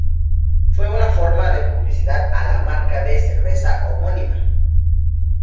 Fue una forma de publicidad a la marca de cerveza homónima.